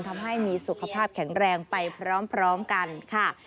ทำให้มีสุขภาพแข็งแรงไปพร้อมกันค่ะ